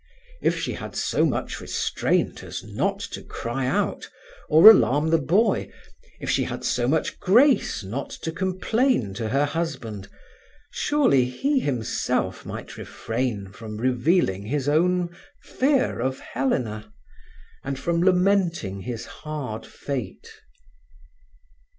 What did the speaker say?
If she had so much restraint as not to cry out, or alarm the boy, if she had so much grace not to complain to her husband, surely he himself might refrain from revealing his own fear of Helena, and from lamenting his hard fate.